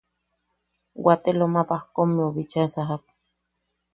Wate Loma Baskommeu bicha sajak.